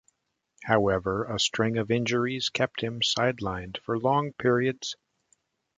However, a string of injuries kept him sidelined for long periods.